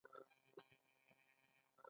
اخلاقي انسان د هر چا خوښ وي.